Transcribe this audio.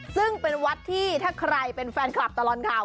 ซึ่งเป็นวัดที่ถ้าใครเป็นแฟนคลับตลอดข่าว